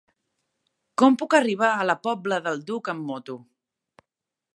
Com puc arribar a la Pobla del Duc amb moto?